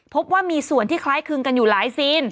พบว่ามีส่วนที่คล้ายคลึงกันอยู่หลายซีน